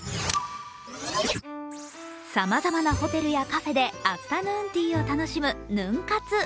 さまざまなホテルやカフェでアフタヌーンティーを楽しむヌン活。